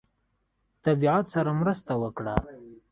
طبیعت سره مرسته وکړه.